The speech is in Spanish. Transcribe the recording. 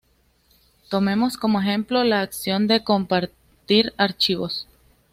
Tomemos como ejemplo la acción de compartir archivos.